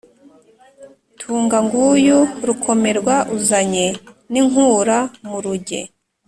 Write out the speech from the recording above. "Tunga, nguyu Rukomerwa uzanye n'Inkura-muruge,